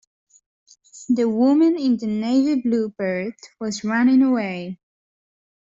The woman in the navy blue beret was running away.